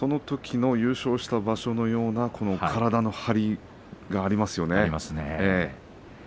その優勝した場所のような体の張りがありますね。